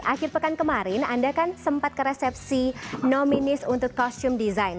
akhir pekan kemarin anda kan sempat ke resepsi nominis untuk custume design